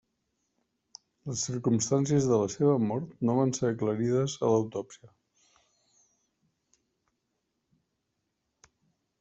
Les circumstàncies de la seva mort no van ser aclarides a l'autòpsia.